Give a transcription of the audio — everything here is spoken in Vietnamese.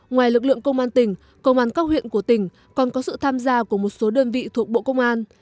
ngoài lực lượng công an tỉnh công an các huyện của tỉnh còn có sự tham gia của một số đơn vị thuộc bộ công an